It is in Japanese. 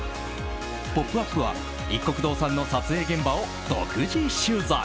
「ポップＵＰ！」はいっこく堂さんの撮影現場を独自取材。